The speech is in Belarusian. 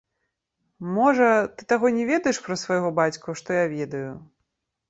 Можа, ты таго не ведаеш пра свайго бацьку, што я ведаю.